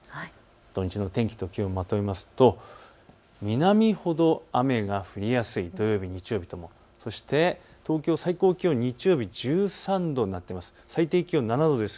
土日の天気と気温をまとめますと南ほど雨が降りやすい、そして東京、最高気温、日曜日１３度になっています。